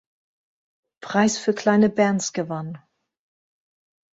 Preis für kleine Bands gewann.